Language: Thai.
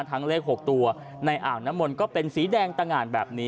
ทั้งเลข๖ทุกอย่างในอ่างน้ำมลก็เป็นสีแดงตะงานแบบนี้